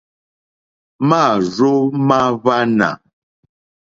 Máàrzó má hwánà.